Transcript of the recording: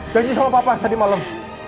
janji sama bapak tadi malam